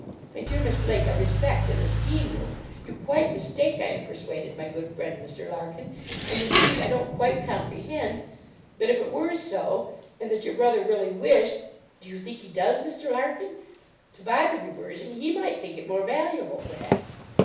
'My dear Miss Lake, I respect and esteem you; you quite mistake, I am persuaded, my good friend Mr. Larkin; and, indeed, I don't quite comprehend; but if it were so, and that your brother really wished do you think he does, Mr. Larkin? to buy the reversion, he might think it more valuable, perhaps.'